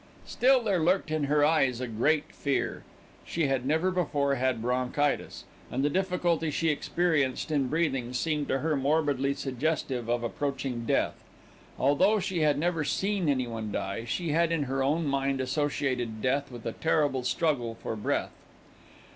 Still there lurked in her eyes a Great Fear. She had never before had bronchitis, and the difficulty she experienced in breathing seemed to her morbidly suggestive of approaching death. Although she had never seen anyone die, she had in her own mind associated death with a terrible struggle for breath.